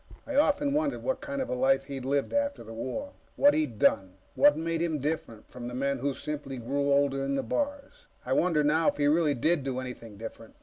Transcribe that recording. I often wondered what kind of a life he'd lived after the war what he'd done that made him different from the men who simply grew older in the bars. I wonder, now, if he really did do anything different.